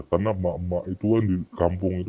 karena emak emak itu di kampung itu